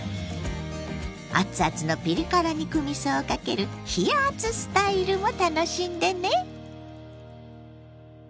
熱々のピリ辛肉みそをかける「冷やあつスタイル」も楽しんでね。